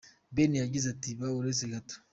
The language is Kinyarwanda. Ben yagize ati «Ba uretse gato….